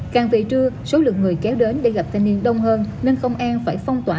càng về trưa số lượng người kéo đến để gặp thanh niên đông hơn nên công an phải phong tỏa